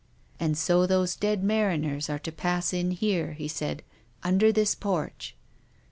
" And so those dead mariners are to pass in here," he said, " under this porch.